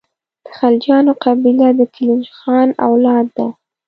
د خلجیانو قبیله د کلیج خان اولاد ده.